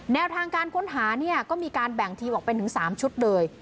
แนวทางการค้นหาเนี่ยก็มีการแบ่งทีมออกเป็นถึง๓ชุดเลย